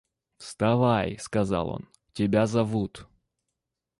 – Вставай, – сказал он, – тебя зовут.